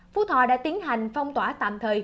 phú thọ đã tiến hành phong tỏa tạm thời